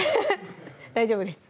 大丈夫です